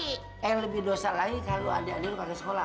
eh lebih dosa lagi kalo adik adik lo kaget sekolah